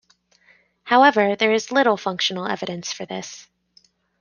However, there is little functional evidence for this.